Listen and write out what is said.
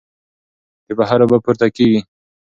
د بحر اوبه پورته کېږي.